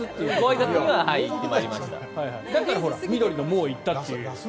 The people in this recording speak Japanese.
だったら緑のもう行ったという。